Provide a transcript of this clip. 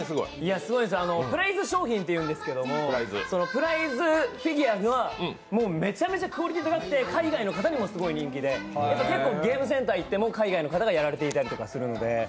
プライズ商品っていうんですけど、プライズフィギュアはもうめちゃめちゃクオリティー高くて海外の方にも人気が高くて結構、ゲームセンターに行っても海外の方がやられたりしているので。